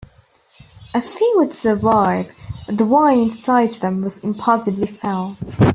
A few would survive but the wine inside them was impossibly foul.